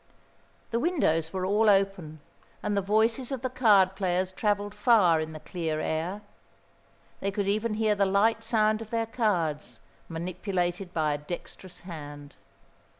The windows were all open, and the voices of the card players travelled far in the clear air they could even hear the light sound of their cards, manipulated by a dexterous hand.